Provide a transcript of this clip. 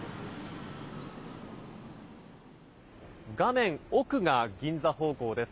画面奥が銀座方向です。